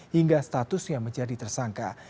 hingga statusnya menjadi tersangka